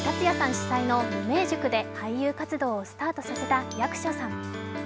主宰の無名塾で俳優活動をスタートさせた役所さん。